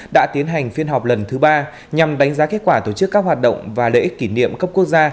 đã tiến hành phiên họp lần thứ ba nhằm đánh giá kết quả tổ chức các hoạt động và lễ kỷ niệm cấp quốc gia